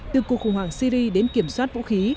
từ cuộc khủng hoảng syri đến kiểm soát vũ khí